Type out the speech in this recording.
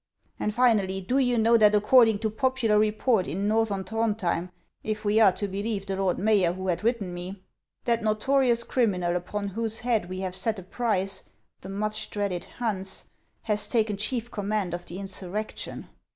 And finally, do you know that according to popular report in northern Tlirondhjem, if we are to believe the lord mayor, who hae written me, that notorious criminal, upon whose head we have set a price, the much dreaded Hans, has taken chief command of the insurrection